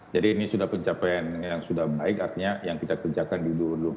jadi ini sudah pencapaian yang sudah baik artinya yang kita kerjakan di dua ribu dua puluh satu